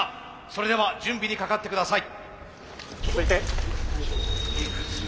それでは準備にかかってください。